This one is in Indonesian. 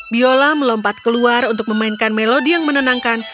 biola melompat keluar untuk memainkan melodi yang menenangkan